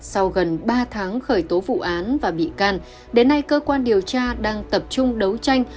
sau gần ba tháng khởi tố vụ án và bị can đến nay cơ quan điều tra đang tập trung đấu tranh